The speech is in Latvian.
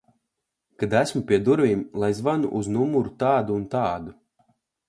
Kad esmu pie durvīm, lai zvanu uz numuru tādu un tādu.